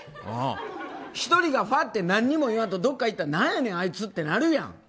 １人がふわって、何にも言わんとどっかいったらなんやねんあいつってなるやん。